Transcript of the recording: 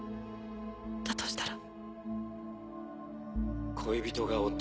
だとしたら